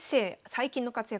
最近の活躍